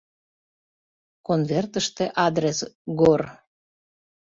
Конвертыште адрес: «Гор.